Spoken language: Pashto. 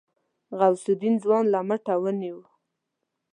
غوث الدين ځوان له مټه ونيو.